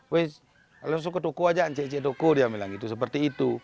weh langsung ke toko aja cik cik toko dia bilang seperti itu